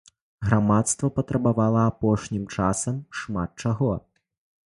Грамадства патрабавала апошнім часам шмат чаго.